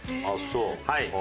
あっそう。